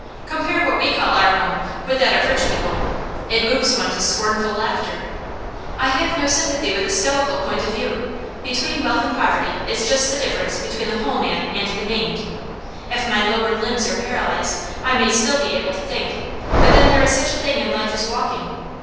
Compare what we call our home with that of rich people; it moves one to scornful laughter. I have no sympathy with the stoical point of view; between wealth and poverty is just the difference between the whole man and the maimed. If my lower limbs are paralysed I may still be able to think, but then there is such a thing in life as walking.